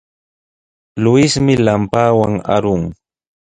Luismi lampawan arun.